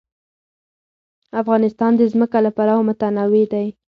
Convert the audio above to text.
افغانستان د ځمکه له پلوه متنوع دی.